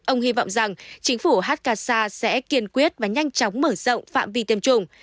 ông hy vọng rằng chính phủ hakasa sẽ kiên quyết và nhanh chóng mở rộng phạm vi tiêm chủng